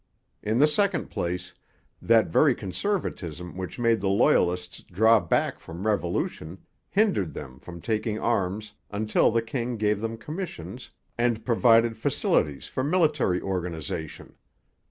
In the second place that very conservatism which made the Loyalists draw back from revolution hindered them from taking arms until the king gave them commissions and provided facilities for military organization.